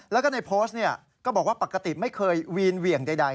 แล้วก็ในโพสต์ก็บอกว่าปกติไม่เคยวีนเหวี่ยงใด